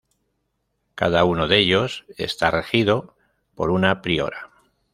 Cada uno de ellos está regido por una priora.